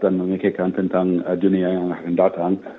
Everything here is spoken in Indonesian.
dan memikirkan tentang dunia yang akan datang